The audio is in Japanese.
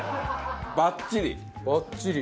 ばっちり。